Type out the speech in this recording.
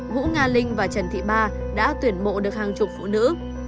vũ nga linh và trần thị ba đã tuyển mộ được hàng chục phụ nữ